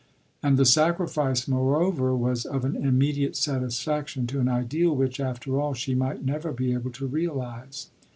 And the sacrifice, moreover, was of an immediate satisfaction to an ideal which after all she might never be able to realize.